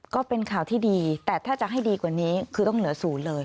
ก็เป็นข่าวที่ดีแต่ถ้าจะให้ดีกว่านี้คือต้องเหลือศูนย์เลย